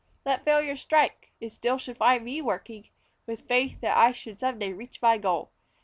Let failure strike it still should find me working With faith that I should some day reach my goal.